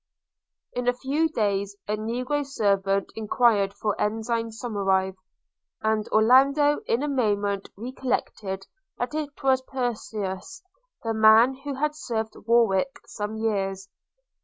In a few days a negro servant enquired for Ensign Somerive, and Orlando in a moment recollected that it was Perseus, the man who had served Warwick some years.